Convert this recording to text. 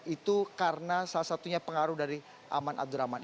itu karena salah satunya pengaruh dari aman abdurrahman